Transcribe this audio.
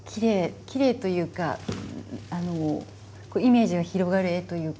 きれいというかイメージが広がる絵というか。